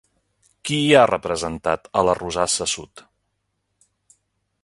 Qui hi ha representat a la rosassa sud?